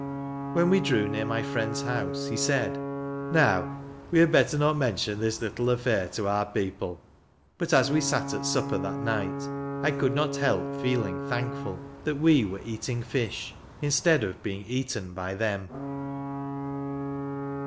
When we drew near my friend's house, he said, "Now, we had better not mention this little affair to our people." But, as we sat at supper that night, I <iould not help feeling thankful that we were eating fish inste'ad of being eaten by them.